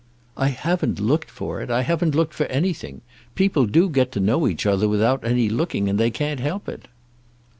"I haven't looked for it. I haven't looked for anything. People do get to know each other without any looking, and they can't help it."